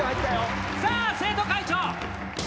さあ生徒会長。